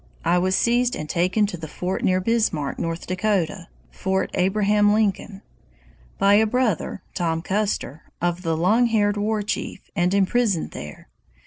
I was seized and taken to the fort near Bismarck, North Dakota [Fort Abraham Lincoln], by a brother [Tom Custer] of the Long Haired War Chief, and imprisoned there.